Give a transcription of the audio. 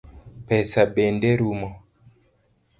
Pesa bende rumo.